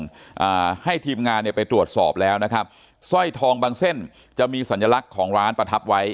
อ่าให้ทีมงานเนี่ยไปตรวจสอบแล้วนะครับสร้อยทองบางเส้นจะมีสัญลักษณ์ของร้านประทับไว้